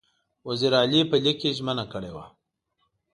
وزیر علي په لیک کې ژمنه کړې وه.